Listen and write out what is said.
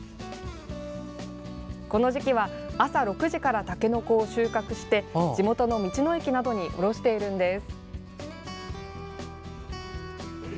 この時期は朝６時からたけのこを収穫して地元の道の駅などに卸しているんです。